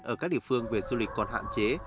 ở các địa phương về du lịch còn hạn chế